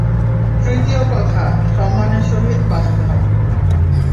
তৃতীয় কথা, সম্মানের সহিত বাঁচতে হবে।